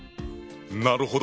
なるほど！